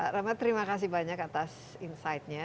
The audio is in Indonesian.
ramad terima kasih banyak atas insight nya